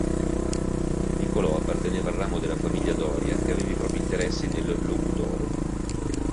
Nicolò apparteneva al ramo della famiglia Doria che aveva i propri interessi nel Logudoro.